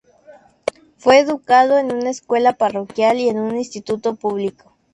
Fue educado en una escuela parroquial y en un instituto público.